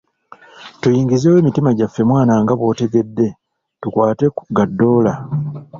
Tuyingizeewo emiti gyaffe mwana nga bw’otegedde tukwate ku ga ddoola.